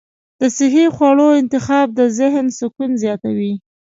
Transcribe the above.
د صحي خواړو انتخاب د ذهن سکون زیاتوي.